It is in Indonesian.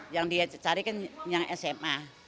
yang dia carikan yang sma